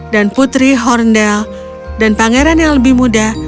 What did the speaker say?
dan putri horndel dan pangeran yang lebih muda